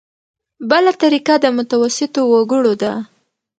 بله طریقه د متوسطو وګړو ده.